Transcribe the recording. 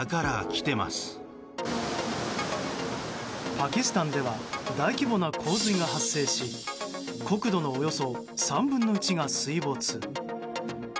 パキスタンでは大規模な洪水が発生し国土のおよそ３分の１が水没。